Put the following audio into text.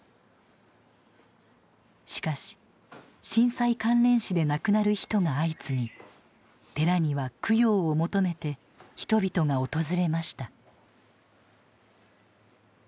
しかし震災関連死で亡くなる人が相次ぎ寺には供養を求めて人々が訪れました。